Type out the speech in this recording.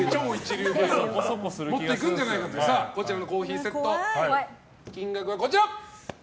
こちらのコーヒーセット金額はこちら。